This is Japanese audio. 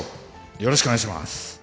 よろしくお願いします。